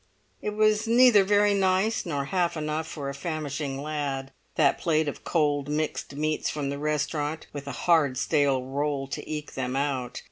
It was neither very nice nor half enough for a famishing lad, that plate of cold mixed meats from the restaurant, with a hard stale roll to eke them out.